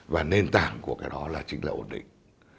và nền tảng của cái đó là chính là ổn định